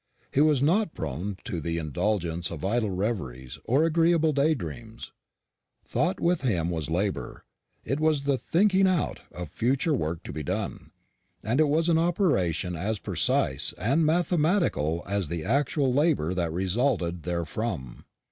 He was not prone to the indulgence of idle reveries or agreeable day dreams. Thought with him was labour; it was the "thinking out" of future work to be done, and it was an operation as precise and mathematical as the actual labour that resulted therefrom.